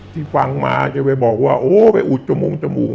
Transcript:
ที่ฟังหมาจะไปบอกว่าโอ้ไปอุดจมูกจมูก